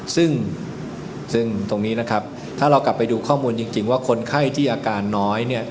ซึ่งตรงนี้นะครับถ้าเรากลับไปดูข้อมูลจริงว่าคนไข้ที่อาการน้อยเนี่ย